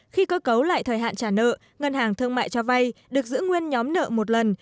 khi cơ cấu lại thời hạn trả nợ ngân hàng thương mại cho vay được giữ nguyên nhóm nợ một lần